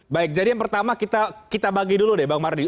baik jadi yang pertama kita bagi dulu deh bang mardi